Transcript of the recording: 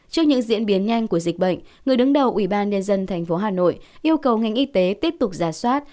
trước những diễn biến nhanh của dịch bệnh người đứng đầu ubnd tp hà nội yêu cầu ngành y tế tiếp tục giả soát